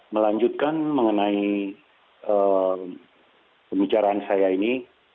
melanjutkan mengenai pembicaraan saya ini